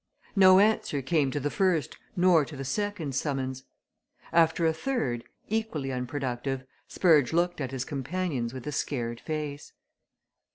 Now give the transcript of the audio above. No answer came to the first nor to the second summons after a third, equally unproductive, Spurge looked at his companions with a scared face.